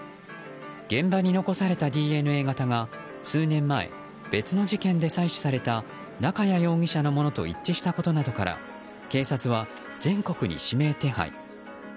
現場に残されたＤＮＡ型が数年前、別の事件で採取された中屋容疑者のものと一致したことなどから警察は全国に指名手配。